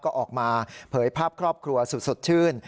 ก็ออกมาเผยภาพครอบครัวสุดสดชื่น